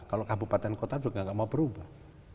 kalau kabupaten kota juga nggak mau berubah